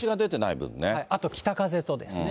あと北風とですね。